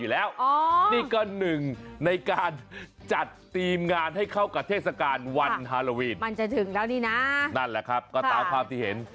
เลยเต่งสถาบันยากาศน่ากลัวแล้วเกิน